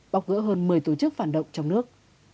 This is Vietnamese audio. bóc gỡ hơn một mươi tổ chức phản động trong nước